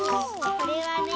これはね